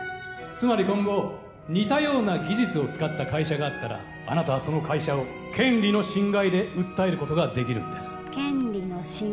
つまり今後似たような技術を使った会社があったらあなたはその会社を権利の侵害で訴えることができるんです